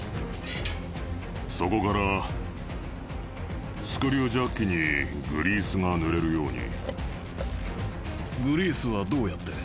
そこからスクリュージャッキにグリースが塗れるようにグリースはどうやって？